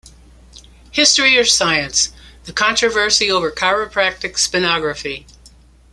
History or Science: The Controversy Over Chiropractic Spinography.